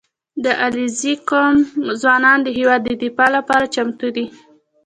• د علیزي قوم ځوانان د هېواد د دفاع لپاره چمتو دي.